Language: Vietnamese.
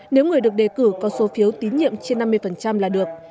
nếu người được đề cử có số phiếu tín nhiệm trên năm mươi là được